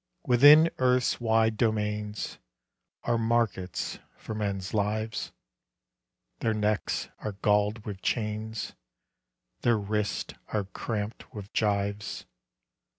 Within Earth's wide domains Are markets for men's lives; Their necks are galled with chains, Their wrists are cramped with gyves.